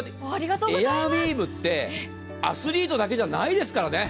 エアウィーヴって、アスリートだけじゃないですからね。